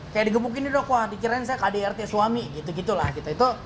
kayak di gebukin nih dok wah di kirain saya kdrt suami gitu gitu lah gitu gitu